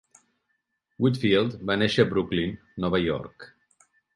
Whitfield va néixer a Brooklyn, Nova York.